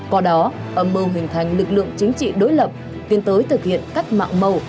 có đó âm mưu hình thành lực lượng chính trị đối lập tiến tới thực hiện cắt mạng màu